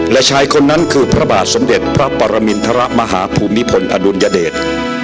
และชายคนนั้นคือพระบาทสมเด็จพระปรมินทรมาฮภูมิพลอดุลยเดช